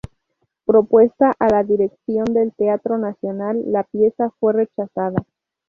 Propuesta a la dirección del Teatro Nacional, la pieza fue rechazada.